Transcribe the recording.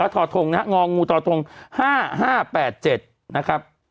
ทท๕๕๘๗นะครับ